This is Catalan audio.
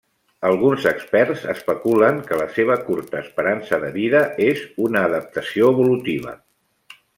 Alguns experts especulen que la seva curta esperança de vida és una adaptació evolutiva.